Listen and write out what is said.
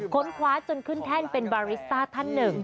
คว้าจนขึ้นแท่นเป็นบาริสต้าท่านหนึ่ง